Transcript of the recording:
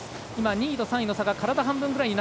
２位と３位の差が体半分ぐらい。